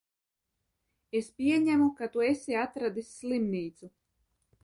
Es pieņemu, ka tu esi atradis slimnīcu?